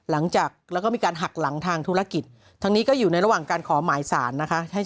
หลังจากแล้วก็มีการหักหลังทางธุรกิจทางนี้ก็อยู่ในระหว่างการขอหมายสารนะคะ